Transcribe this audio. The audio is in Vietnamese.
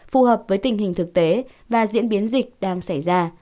phù hợp với tình hình thực tế và diễn biến dịch đang xảy ra